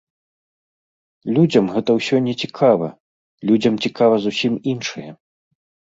Людзям гэта ўсё не цікава, людзям цікава зусім іншае.